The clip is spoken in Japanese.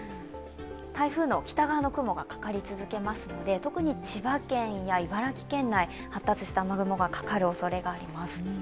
台風の北側の雲がかかり続けますので特に千葉県や、茨城県内、発達した雨雲がかかる可能性があります。